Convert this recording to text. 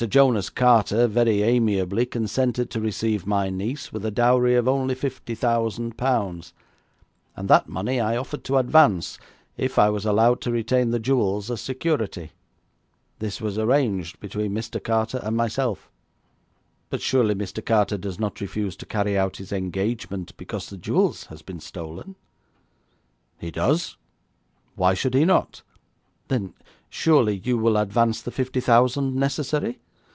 Jonas Carter very amiably consented to receive my niece with a dowry of only fifty thousand pounds, and that money I offered to advance, if I was allowed to retain the jewels as security. This was arranged between Mr. Carter and myself.' 'But surely Mr. Carter does not refuse to carry out his engagement because the jewels have been stolen?' 'He does. Why should he not?' 'Then surely you will advance the fifty thousand necessary?'